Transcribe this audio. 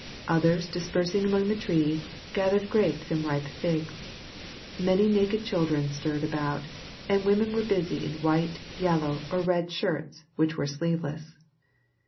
Others dispersing among the trees gathered grapes and ripe figs. Many naked children stirred about, and women were busy in white, yellow, or red shirts which were sleeveless.